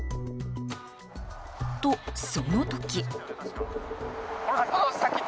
と、その時。